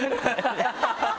ハハハハ！